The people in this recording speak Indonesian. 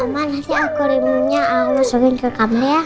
ma nanti aku rimunya aku masukin ke kamar ya